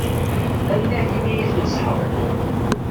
Tanemmirt imi ay iyi-tneṣḥeḍ.